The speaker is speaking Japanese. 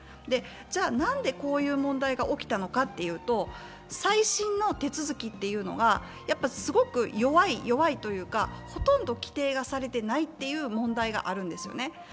じゃあ、なんでこういう問題が起きたのかというと、再審の手続きがすごく弱いというか、ほとんど規定がされていないという問題があるんですね。